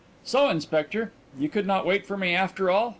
"So, Inspector, you could not wait for me, after all?"